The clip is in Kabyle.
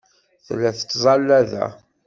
Tella tettẓalla da.